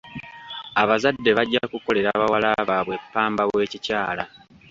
Abazadde bajja kukolera bawala baabwe ppamba w'ekikyala.